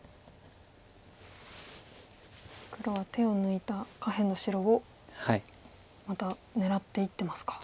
黒は手を抜いた下辺の白をまた狙っていってますか。